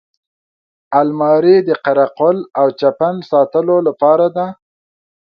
الماري د قره قل او چپن ساتلو لپاره ده